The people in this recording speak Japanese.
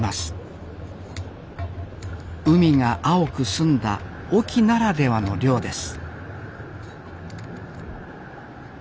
海が青く澄んだ隠岐ならではの漁です